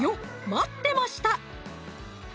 待ってました！